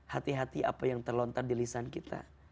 hati hati apa yang terlontar di lisan kita